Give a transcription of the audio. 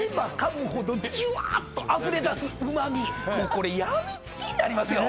これ病みつきになりますよ。